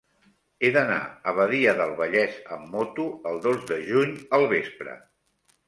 He d'anar a Badia del Vallès amb moto el dos de juny al vespre.